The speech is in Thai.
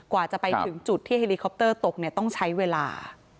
กว่าจะไปถึงจุดที่เฮลิคอปเตอร์ตกต้องใช้เวลา